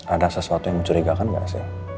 ada sesuatu yang mencurigakan nggak sih